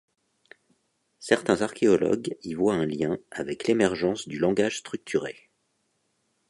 Certains archéologues y voient un lien avec l'émergence du langage structuré.